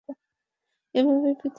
এইভাবেই পৃথিবী দেখে রে!